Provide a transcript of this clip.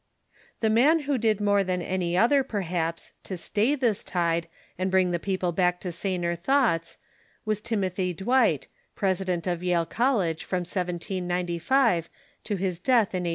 The man who did more than any other, perhaps, to stay this tide and bring the people back to saner thoughts was Timothy Dwight, president of Yale College from 1795 to his thellde" death, in 1817.